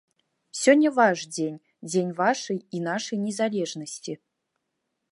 Сёння ваш дзень, дзень вашай і нашай незалежнасці.